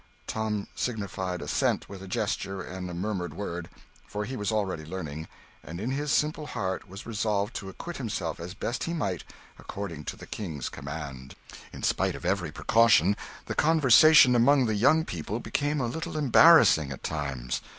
Tom signified assent with a gesture and a murmured word, for he was already learning, and in his simple heart was resolved to acquit himself as best he might, according to the King's command. In spite of every precaution, the conversation among the young people became a little embarrassing at times.